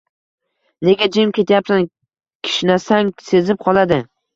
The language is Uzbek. Nega jim ketyapsan kishnasang sezib qoladi